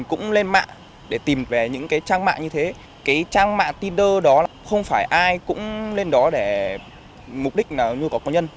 cái trang mạng tinder đó không phải ai cũng lên đó để mục đích nào như có con nhân